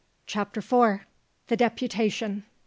CHAPTER IV. THE DEPUTATION.